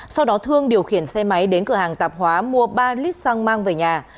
sau đó thương điều khiển xe máy đến cửa hàng tạp hóa mua ba lít xăng mang về nhà